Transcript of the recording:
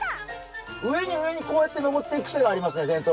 上に上にこうやってのぼっていくくせがありますね